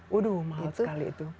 waduh mahal sekali itu